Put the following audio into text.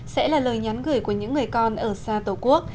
sẽ là lời nhắn gửi của những người con ở xa tổ quốc